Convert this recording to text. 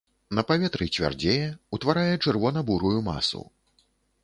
На паветры цвярдзее, утварае чырвона-бурую масу.